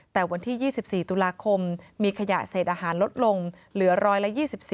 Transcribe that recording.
แต่วันที่๒๔ตุลาคมมีขยะเศษอาหารลดลงเหลือ๑๒๔